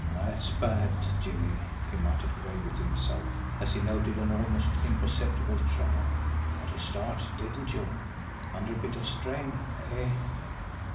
"That's bad, Jimmie," he muttered gravely to himself, as he noted an almost imperceptible tremour. "Got a start, didn't you! Under a bit of a strain, eh?